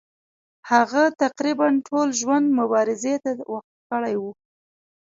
هغه تقریبا ټول ژوند مبارزې ته وقف کړی وو.